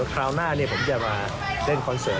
คราวหน้าผมจะมาเล่นคอนเสิร์ต